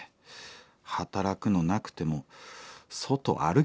働くのなくても外歩きてえ。